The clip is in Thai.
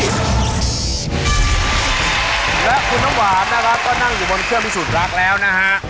และคุณน้ำหวานนะครับก็นั่งอยู่บนเครื่องพิสูจน์รักแล้วนะฮะ